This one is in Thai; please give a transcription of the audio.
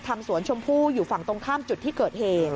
สวนชมพู่อยู่ฝั่งตรงข้ามจุดที่เกิดเหตุ